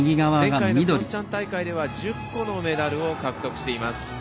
前回のピョンチャン大会では１０個のメダルを獲得しています。